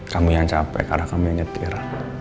kamu yang capek karena kamu yang nyetir